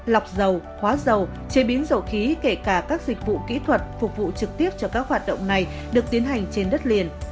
lọc dầu hóa dầu chế biến dầu khí kể cả các dịch vụ kỹ thuật phục vụ trực tiếp cho các hoạt động này được tiến hành trên đất liền